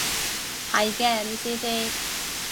係嘅，你試試